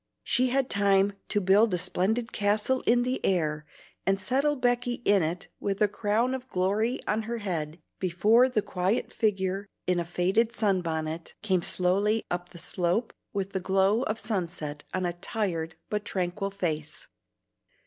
She had time to build a splendid castle in the air and settle Becky in it with a crown of glory on her head, before the quiet figure in a faded sunbonnet came slowly up the slope with the glow of sunset on a tired but tranquil face.